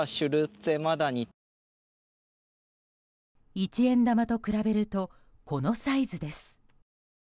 一円玉と比べるとこのサイズです。